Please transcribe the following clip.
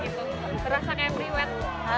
berasa kayak beriwet